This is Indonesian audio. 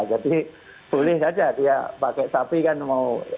jadi boleh saja dia pakai sapi kan mau